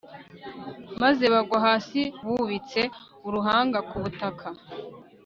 maze bagwa hasi bubitse uruhanga ku butaka